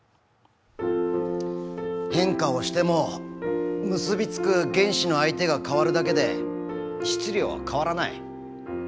変化をしても結び付く原子の相手がかわるだけで質量は変わらない。